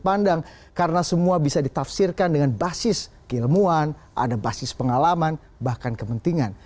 jadi saya ucapkan selamat bekerja